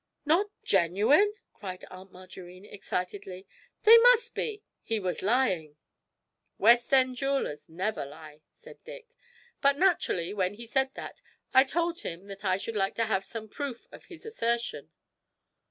"' 'Not genuine!' cried Aunt Margarine excitedly. 'They must be he was lying!' 'West end jewellers never lie,' said Dick; 'but naturally, when he said that, I told him I should like to have some proof of his assertion.